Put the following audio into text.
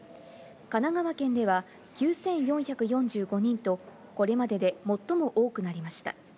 神奈川県では９４４５人とこれまでで最も多くなりました。